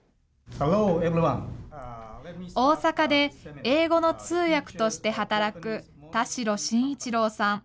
大阪で英語の通訳として働く田代真一郎さん